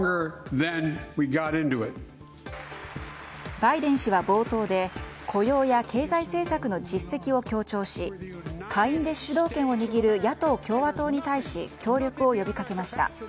バイデン氏は冒頭で雇用や経済政策の実績を強調し下院で主導権を握る野党・共和党に対し協力を呼びかけました。